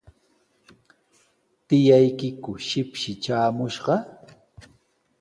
¿Tiyaykiku shipshi traamushqa?